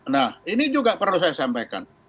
nah ini juga perlu saya sampaikan